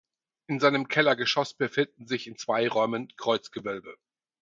In seinem Kellergeschoss befinden sich in zwei Räumen Kreuzgewölbe.